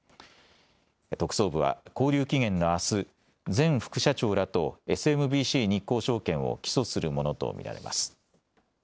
特捜部は勾留期限のあす、前副社長らとＳＭＢＣ日興証券を起訴するものと見られます。